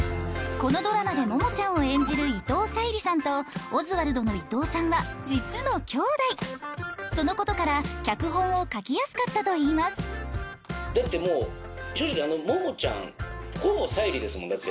このドラマでモモちゃんを演じる伊藤沙莉さんとオズワルドの伊藤さんは実の兄妹そのことから脚本を書きやすかったといいますだってもう正直あのモモちゃんほぼ沙莉ですもんだって。